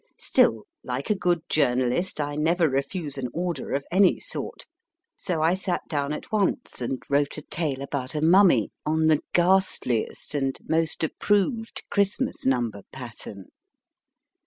Still, like a good journalist, I never refuse an order of any sort ; so I sat down at once and wrote a tale about a mummy on the ghastliest and most approved Christmas number pattern.